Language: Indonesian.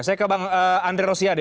saya ke bang andre rosiade